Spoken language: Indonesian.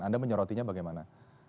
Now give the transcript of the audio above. anda menyorotinya bagaimana